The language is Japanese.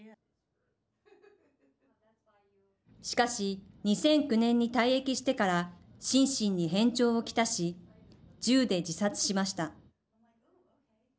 しかし、２００９年に退役してから心身に変調をきたし銃で自殺しました。